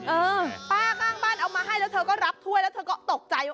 เออป้าข้างบ้านเอามาให้แล้วเธอก็รับถ้วยแล้วเธอก็ตกใจว่า